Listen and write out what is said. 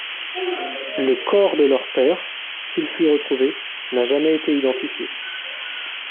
Le corps de leur père, s'il fut retrouvé, n'a jamais été identifié.